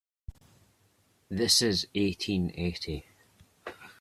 This is eighteen eighty.